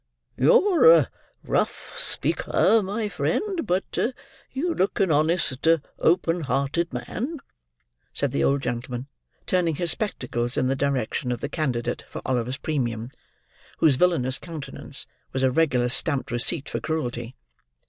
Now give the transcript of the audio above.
"You're a rough speaker, my friend, but you look an honest, open hearted man," said the old gentleman: turning his spectacles in the direction of the candidate for Oliver's premium, whose villainous countenance was a regular stamped receipt for cruelty.